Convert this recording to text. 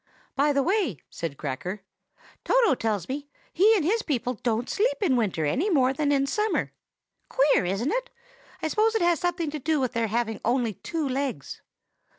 "By the way," said Cracker, "Toto tells me that he and his people don't sleep in winter any more than in summer. Queer, isn't it? I suppose it has something to do with their having only two legs."